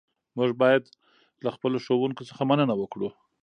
موږ باید له خپلو ښوونکو څخه مننه وکړو.